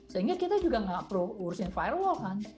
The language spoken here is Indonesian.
sehingga kita juga tidak perlu urusin firewall